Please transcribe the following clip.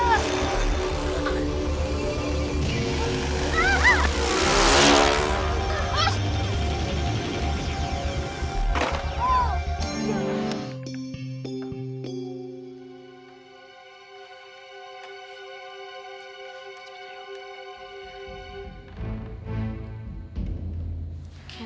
kak kamu mau kemana ya kak